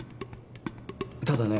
ただね